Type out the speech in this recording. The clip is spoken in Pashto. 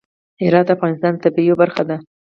هرات د افغانستان د طبیعت یوه برخه ده.